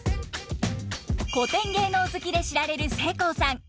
古典芸能好きで知られるせいこうさん。